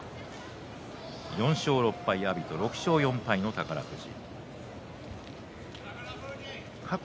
４勝６敗の阿炎と６勝４敗の宝富士。